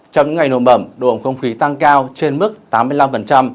trong những ngày nổ mẩm độ ẩm không khí tăng cao trên mức tám mươi năm